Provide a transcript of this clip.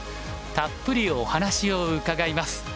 たっぷりお話を伺います。